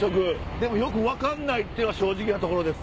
でもよく分かんないってのが正直なところです。